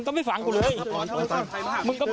เจอขึ้นรถครับใจเย็น